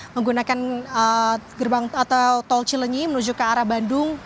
menggunakan gerbang tol atau tol cilenyi menuju ke arah bandung